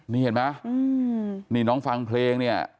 นี่เห็นไหมนี่น้องฟังเพลงเนี่ย